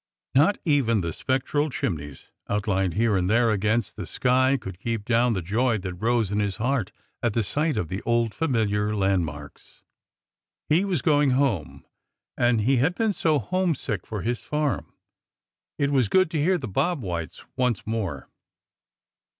Not even the spectral chimneys outlined here and there against the sky could keep down the joy that rose in his heart at the sight of the old familiar landmarks. He was going home— and he had been so homesick for his farm! It was good to hear the bob whites once more!